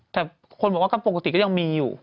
แต่คนบอกว่าก็ปกติก็ยังมีอยู่